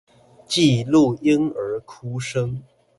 記錄嬰兒哭聲